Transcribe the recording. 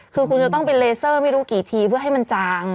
คือคุณจะต้องเป็นเลเซอร์ไม่รู้กี่ทีเพื่อให้มันจาง